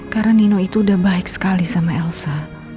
karena nino itu udah baik sekali sama elsa